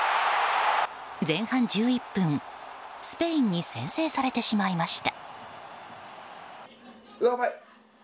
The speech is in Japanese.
前半１１分、スペインに先制されてしまいました。